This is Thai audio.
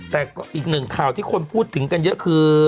แต่อีกหนึ่งข่าวที่คนพูดถึงกันเยอะคือ